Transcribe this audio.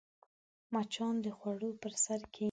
مچان د خوړو پر سر کښېني